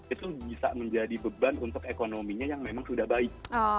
itu bisa menjadi beban untuk ekonominya yang memang sudah baik